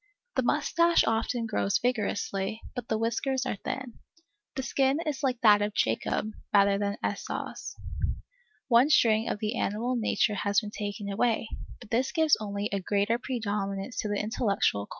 The moustache often grows vigorously, but the whiskers are thin. The skin is like that of Jacob, rather than like Esau's. One string of the animal nature has been taken away, but this gives only a greater predominance to the intellectual chords.